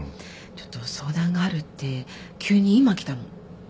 ちょっと相談があるって急に今来たの。